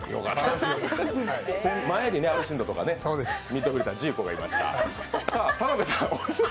前にアルシンドとかミッドフィルダージーコがいました。